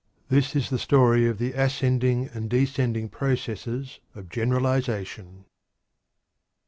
This is the story of the ascending and descending processes of generalization.